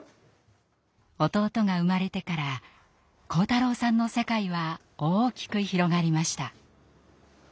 弟が生まれてから晃太郎さんの世界は大きく広がりました。